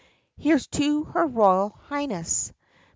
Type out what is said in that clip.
Here 's to her Royal Highness!